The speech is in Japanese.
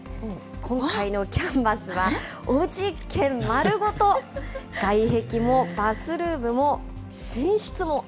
今回のキャンバスは、おうち一軒丸ごと、外壁もバスルームも寝室も。